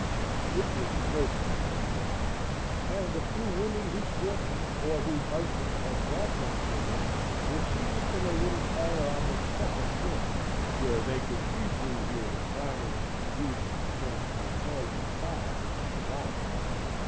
It was no place for a woman, and the few women whose fortunes or whose husbands had brought them thither were seated in a little parlor on the second floor, where they could easily hear the clamor and confusion that came from the noisy mob in the lobby.